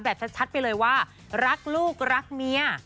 ชัดไปเลยว่ารักลูกรักเมีย